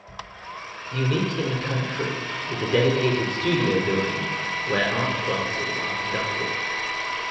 Unique in the country is a dedicated Studio Building where art classes are conducted.